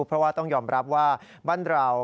เพราะว่าต้องยอมรับว่าบ้านเรา